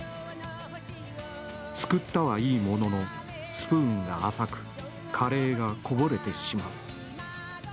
すくったはいいもののスプーンが浅く、こぼれてしまう。